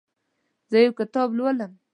زه یو کتاب لولم.